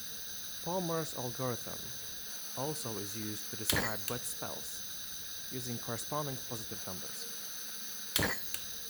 Palmer's algorithm also is used to describe wet spells, using corresponding positive numbers.